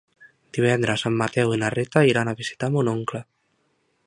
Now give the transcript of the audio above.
Divendres en Mateu i na Rita iran a visitar mon oncle.